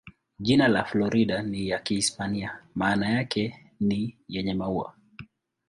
Jina la Florida ni ya Kihispania, maana yake ni "yenye maua".